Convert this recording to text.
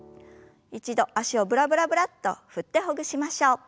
一度脚をブラブラブラッと振ってほぐしましょう。